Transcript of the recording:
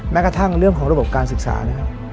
แม้กระทั่งเรื่องของระบบการศึกษานะครับ